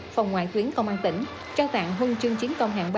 phòng ngoại tuyến công an tỉnh trao tặng huân chương chiến công hạng ba